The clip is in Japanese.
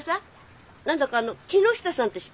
何だかあの木下さんって人。